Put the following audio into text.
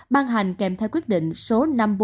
ban hành kèm theo quyết định số năm trăm bốn mươi